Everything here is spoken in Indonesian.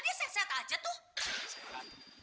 dia sehat aja tuh